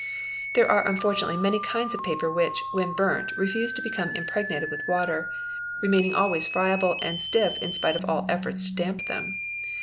|: There are unfortunately many kinds of paper which, when burnt, 'refuse to become impregnated with water, remaining always friable and stiff in spite of all efforts to damp them.